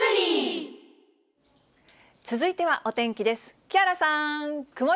続いてはお天気です。